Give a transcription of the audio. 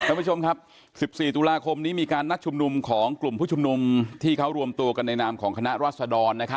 ท่านผู้ชมครับ๑๔ตุลาคมนี้มีการนัดชุมนุมของกลุ่มผู้ชุมนุมที่เขารวมตัวกันในนามของคณะรัศดร